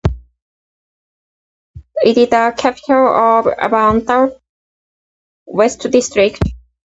It is the capital of Ahanta West district.